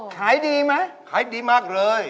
ขายดีไหมขายดีมากเลย